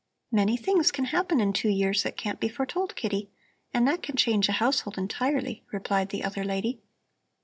"Many things can happen in two years that can't be foretold, Kitty, and that can change a household entirely," replied the other lady.